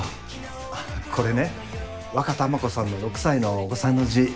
あこれねワカタマコさんの６歳のお子さんの字。